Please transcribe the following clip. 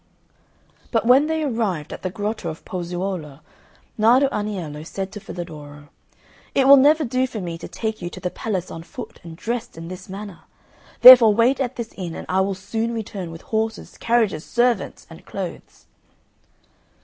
But when they arrived at the grotto of Pozzuolo, Nardo Aniello said to Filadoro, "It will never do for me to take you to the palace on foot and dressed in this manner. Therefore wait at this inn and I will soon return with horses, carriages, servants, and clothes."